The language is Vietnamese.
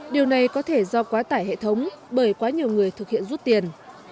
điều này có thể do quá tải hệ thống bởi quá nhiều người thực hiện rút tiền